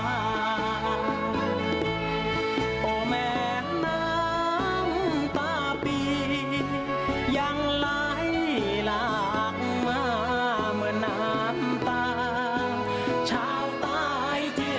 แม่น้ำบุคเขาทะเลกวางไกล